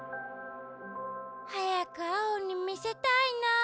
はやくアオにみせたいなあ。